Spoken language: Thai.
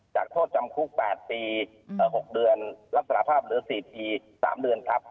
จากโทษจำคลุกแปดปีเอ่อหกเดือนรับสารภาพเหลือสี่ทีสามเดือนครับ